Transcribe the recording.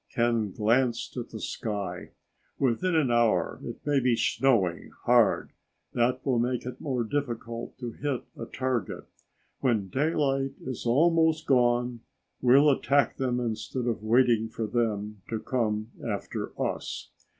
Ken glanced at the sky. "Within an hour it may be snowing hard. That will make it more difficult to hit a target. When daylight is almost gone we'll attack them instead of waiting for them to come after us.